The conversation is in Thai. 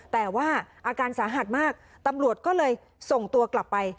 แต่ว่าอาการสาหัสมากตำรวจก็เลยส่งตัวกลับไป